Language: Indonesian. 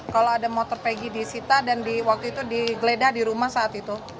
kalau ada motor pegi disita dan di waktu itu digeledah di rumah saat itu